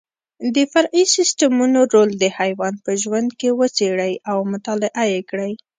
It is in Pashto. د فرعي سیسټمونو رول د حیوان په ژوند کې وڅېړئ او مطالعه یې کړئ.